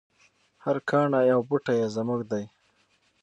هر کاڼی او بوټی یې زموږ دی.